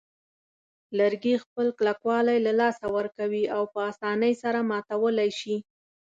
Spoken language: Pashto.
لرګي خپل کلکوالی له لاسه ورکوي او په آسانۍ سره ماتولای شي.